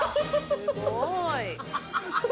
すごい。